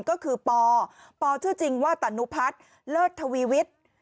ก็คือปปชื่อจริงว่าตานุพัฒน์เลิศทวีวิทย์